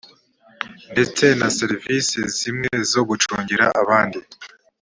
ndetse na serivisi zemewe zo gucungira abandi